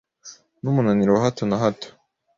n’umunaniro wa hato na hato ,